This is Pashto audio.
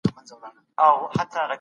ماشوم بې پلان نه پاته کېږي.